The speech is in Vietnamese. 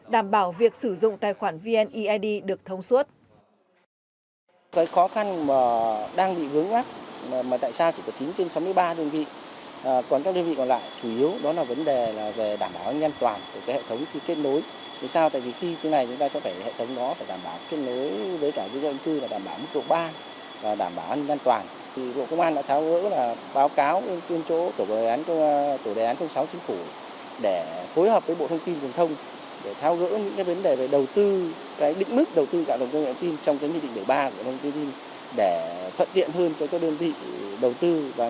đảm bảo việc sử dụng tài khoản vned được thông suốt